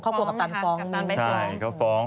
ฟ้องเข้ากับกัปตันฟ้อง